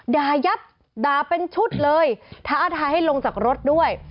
ยับด่าเป็นชุดเลยท้าทายให้ลงจากรถด้วย